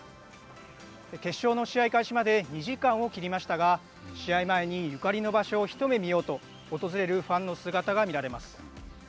決勝の試合開始まで２時間を切りましたが試合前に、ゆかりの場所を一目見ようと訪れるファンの姿が見られます。